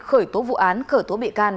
khởi tố vụ án khởi tố bị can